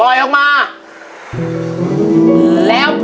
เรียกประกันแล้วยังคะ